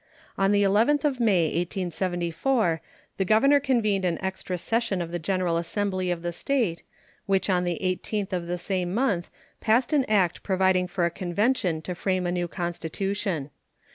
On the 11th of May, 1874, the governor convened an extra session of the general assembly of the State, which on the 18th of the same month passed an act providing for a convention to frame a new constitution.